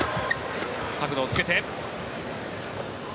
角度をつけて。